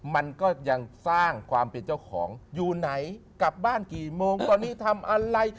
มันก็ยังสร้างความเป็นเจ้าของอยู่ไหนกลับบ้านกี่โมงตอนนี้ทำอะไร